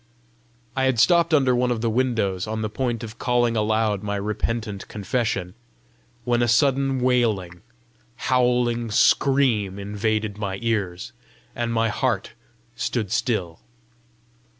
I had stopped under one of the windows, on the point of calling aloud my repentant confession, when a sudden wailing, howling scream invaded my ears, and my heart stood still.